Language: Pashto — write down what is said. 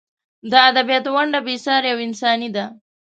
د ادبیاتو ونډه بې سارې او انساني ده.